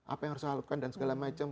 apa yang harus saya lakukan dan segala macam